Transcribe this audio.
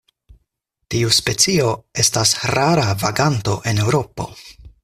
Tiu specio estas rara vaganto en Eŭropo.